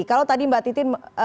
kalau tadi mbak titi mbak titi